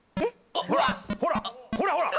ほらほらほら！